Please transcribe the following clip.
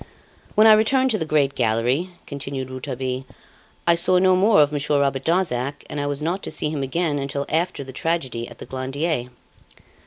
"When I returned to the great gallery," continued Rouletabille, "I saw no more of Monsieur Robert Darzac, and I was not to see him again until after the tragedy at the Glandier.